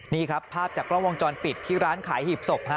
นี่ครับภาพจากกล้องวงจรปิดที่ร้านขายหีบศพ